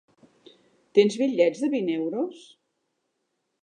Tens bitllets de vint euros?